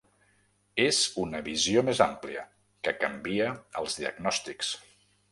És una visió més àmplia, que canvia els diagnòstics.